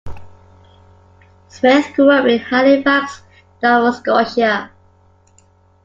Smith grew up in Halifax, Nova Scotia.